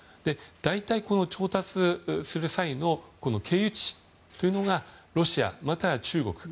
大体、調達する際の経由地というものがロシアまたは中国。